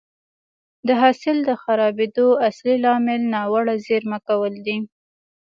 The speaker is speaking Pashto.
د حاصل د خرابېدو اصلي لامل ناوړه زېرمه کول دي